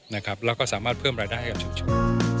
แล้วก็สามารถเพิ่มรายได้ให้กับชุมชน